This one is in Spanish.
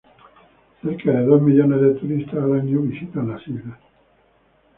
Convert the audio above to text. Cerca de dos millones de turistas al año visitan las islas.